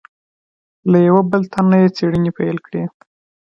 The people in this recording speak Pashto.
له یوه بل تن نه یې څېړنې پیل کړې.